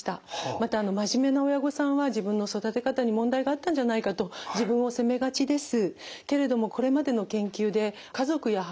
また真面目な親御さんは自分の育て方に問題があったんじゃないかと自分を責めがちです。